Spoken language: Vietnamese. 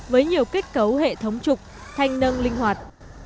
với nhiều kết cấu hệ thống trục thanh nâng linh hoạt